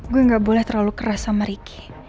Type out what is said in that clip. gue gak boleh terlalu keras sama ricky